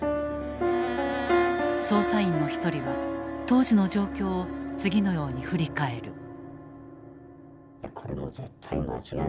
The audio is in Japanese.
捜査員の一人は当時の状況を次のように振り返る。